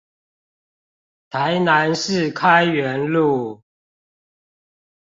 台南市開元路